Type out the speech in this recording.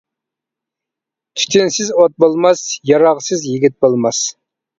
تۈتۈنسىز ئوت بولماس، ياراغسىز يىگىت بولماس.